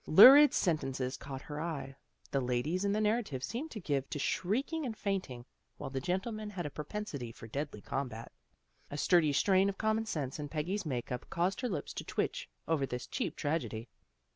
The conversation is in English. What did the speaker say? Lurid sentences caught her eye. The ladies in the narrative seemed given to shrieking and fainting, while the gentlemen had a propensity for deadly combat. A sturdy strain of common sense in Peggy's make up caused her lips to twitch over this cheap trag edy.